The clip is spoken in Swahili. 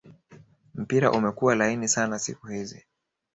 mpira umekua laini sana siku hizi